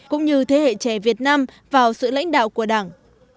cũng như thế hệ trẻ việt nam vào sự lãnh đạo của đảng